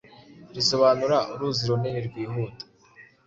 risobanura “uruzi runini rwihuta”.